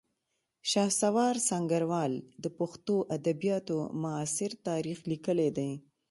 شهسوار سنګروال د پښتو ادبیاتو معاصر تاریخ لیکلی دی